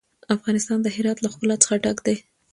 افغانستان د هرات له ښکلا څخه ډک دی.